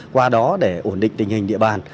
qua đó để ổn định tình hình địa bàn